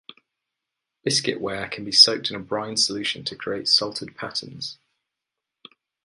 Biscuit ware can be soaked in a brine solution to create salted patterns.